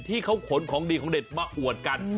ที่เขาขนของดีของเด็ดมาอวดกัน